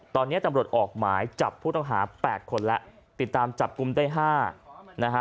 ตอนเนี้ยตำรดออกหมายจับผู้ต้องหาแปดคนละติดตามจับกุมได้ห้านะฮะ